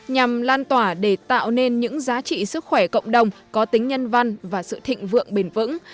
nhằm lan tỏa để tạo nên những giá trị sức khỏe cộng đồng có tính nhân văn và sự thịnh vượng bền vững